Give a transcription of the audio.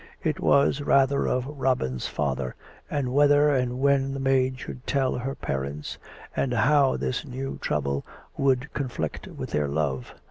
It was rather of Robin's father, and whether and when the maid should tell her parents, and how this new trouble would conflict with their love.